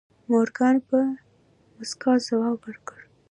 مورګان په موسکا ځواب ورکړ.